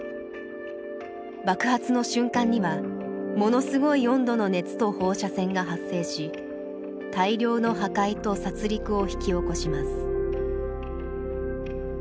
爆発の瞬間にはものすごい温度の熱と放射線が発生し大量の破壊と殺りくを引き起こします。